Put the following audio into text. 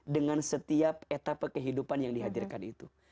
dengan setiap etapa kehidupan yang dihadirkan itu